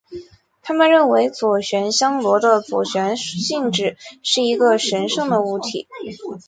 他们认为左旋香螺的左旋性质是一个神圣的物体。